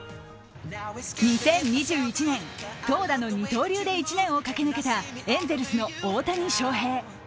２０２１年、投打の二刀流で１年を駆け抜けた、エンゼルスの大谷翔平。